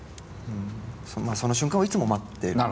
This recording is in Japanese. その瞬間をいつも待ってる。